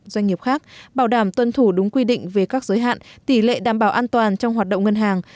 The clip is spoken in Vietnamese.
doanh nghiệp khác bảo đảm tuân thủ đúng quy định về các giới hạn tỷ lệ đảm bảo an toàn trong hoạt động ngân hàng